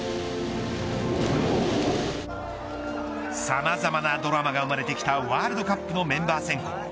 さまざまなドラマが生まれてきたワールドカップのメンバー選考。